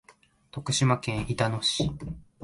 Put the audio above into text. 徳島県板野町